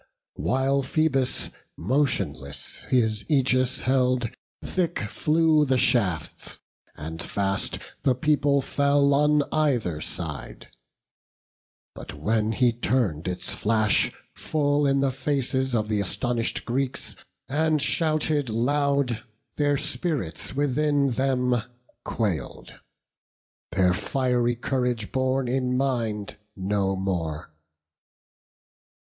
While Phoebus motionless his Ægis held, Thick flew the shafts, and fast the people fell On either side; but when he turn'd its flash Full in the faces of the astonish'd Greeks, And shouted loud, their spirits within them quail'd, Their fiery courage borne in mind no more.